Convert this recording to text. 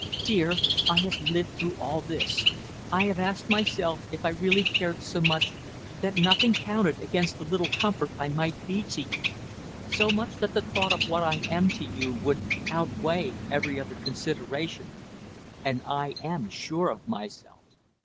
"Dear, I have lived through all this; I have asked myself if I really cared so much that nothing counted against the little comfort I might be to you; so much that the thought of what I am to you would outweigh every other consideration, and I am sure of myself.